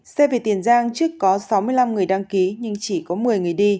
c về tiền giang trước có sáu mươi năm người đăng ký nhưng chỉ có một mươi người đi